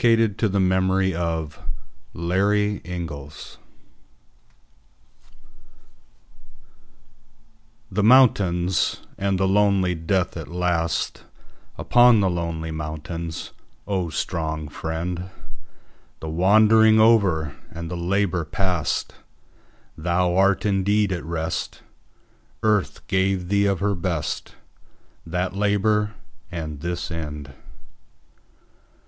Lionel Johnson1867–1902 To a Traveller THE MOUNTAINS, and the lonely death at lastUpon the lonely mountains: O strong friend! The wandering over, and the labour passed, Thou art indeed at rest:Earth gave thee of her best, That labour and this end.